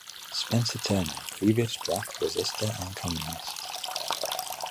Spencer Turner - previous draft resister and communist.